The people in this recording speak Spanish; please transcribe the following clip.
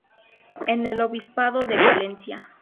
En el Obispado de Palencia.